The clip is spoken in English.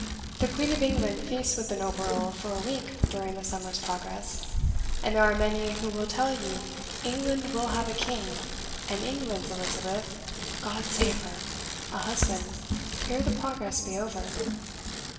The Queen of England feasts with the noble Earl for a week during the Summer's Progress; and there are many who will tell you England will have a king, and England's Elizabeth God save her! a husband, ere the Progress be over."